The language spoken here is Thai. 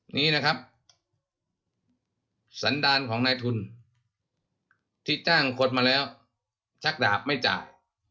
นี้นะครับสันดารของนายทุนที่จ้างคนมาแล้วชักดาบไม่จ่าย